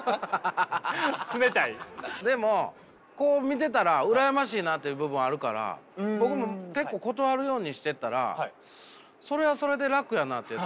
でもこう見てたら羨ましいなっていう部分もあるから僕も結構断るようにしてたらそれはそれで楽やなと思って。